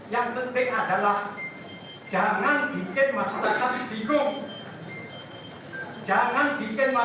yang penting adalah jangan ditinggalkan